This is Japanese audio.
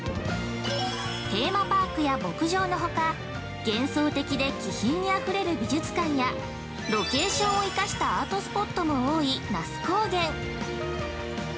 ◆テーマパークや牧場のほか幻想的で気品にあふれる美術館やロケーションを生かしたアートスポットも多い那須高原。